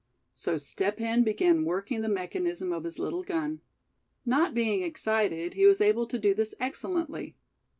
So Step Hen began working the mechanism of his little gun. Not being excited, he was able to do this excellently.